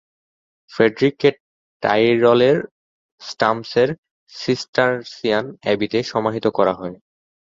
ফ্রেডরিককে টাইরলের স্টামসের সিসটারসিয়ান অ্যাবিতে সমাহিত করা হয়।